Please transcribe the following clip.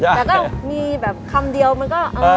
แต่ก็มีแบบคำเดียวมันก็